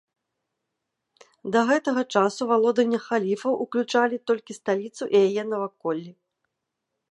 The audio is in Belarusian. Да гэтага часу валодання халіфаў ўключалі толькі сталіцу і яе наваколлі.